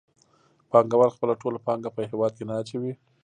پانګوال خپله ټوله پانګه په هېواد کې نه اچوي